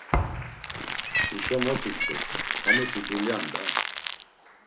Hişo mot it̆urt, hamuti dulya’n da!